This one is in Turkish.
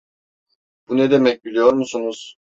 Bu ne demek biliyor musunuz?